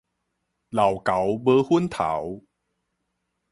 老猴無粉頭